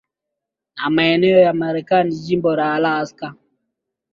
na maeneo ya Marekani jimbo la Alaska